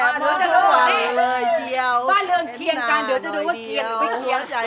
เอ้ามา